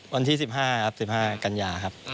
วันที่๑๕ครับ๑๕กันยาครับ